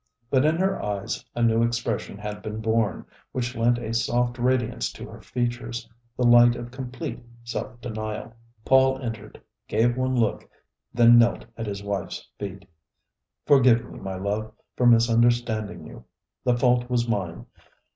But in her eyes a new expression had been born, which lent a soft radiance to her features, the light of complete self denial. Paul entered, gave one look, then knelt at his wife's feet. "Forgive me, my love, for misunderstanding you. The fault was mine.